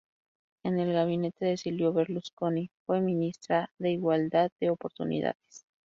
En el gabinete de Silvio Berlusconi fue ministra de Igualdad de Oportunidades.